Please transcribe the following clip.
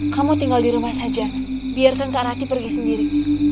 kamu tinggal di rumah saja biarkan kak rati pergi sendiri